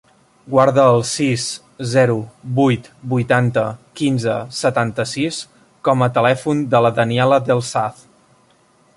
Guarda el sis, zero, vuit, vuitanta, quinze, setanta-sis com a telèfon de la Daniela Del Saz.